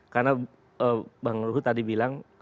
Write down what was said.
karena bang ruhu tadi bilang